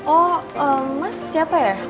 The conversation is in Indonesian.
oh mas siapa ya